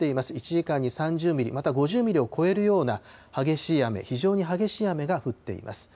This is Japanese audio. １時間に３０ミリ、また５０ミリを超えるような激しい雨、非常に激しい雨が降っています。